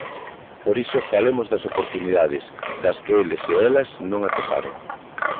Por iso, falemos das oportunidades, das que eles e elas non atoparon.